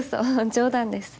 冗談です。